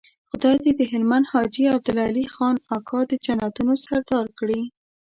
خدای دې د هلمند حاجي عبدالعلي خان اکا د جنتونو سردار کړي.